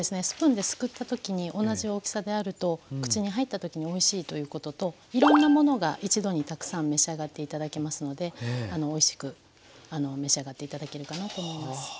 スプーンですくった時に同じ大きさであると口に入った時においしいということといろんなものが一度にたくさん召し上がって頂けますのでおいしく召し上がって頂けるかなと思います。